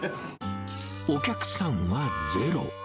お客さんはゼロ。